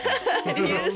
リユース？